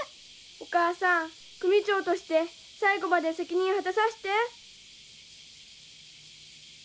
お母さん組長として最後まで責任果たさして。